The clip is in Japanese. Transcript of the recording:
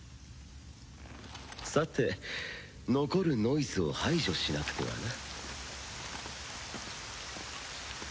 さて残るノイズを排除しなくてはな。